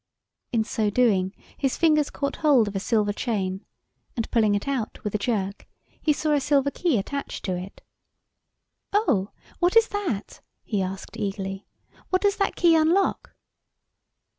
In so doing, his fingers caught hold of a silver chain, and pulling it out with a jerk, he saw a silver key attached to it. "Oh, what is that?" he asked eagerly. "What does that key unlock?"